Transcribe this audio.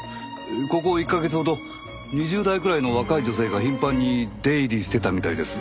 ここ１カ月ほど２０代くらいの若い女性が頻繁に出入りしてたみたいです。